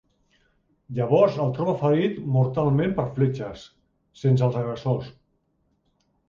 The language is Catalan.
Llavors el troba ferit mortalment per fletxes, sense els agressors.